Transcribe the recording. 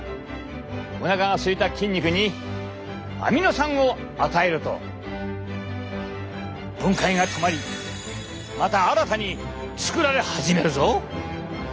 おなかがすいた筋肉にアミノ酸を与えると分解が止まりまた新たに作られ始めるぞ。